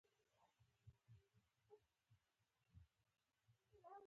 په انسان باندې په ژوند کې هم ښه او هم بد وختونه راځي.